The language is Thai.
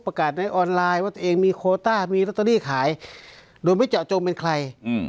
ในออนไลน์ว่าตัวเองมีโคต้ามีลอตเตอรี่ขายโดยไม่เจาะจงเป็นใคร